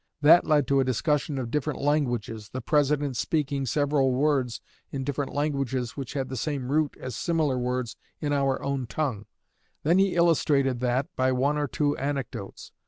That led to a discussion of different languages, the President speaking several words in different languages which had the same root as similar words in our own tongue; then he illustrated that by one or two anecdotes.